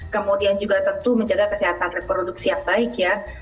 kemudian juga tentu menjaga kesehatan reproduksi yang baik ya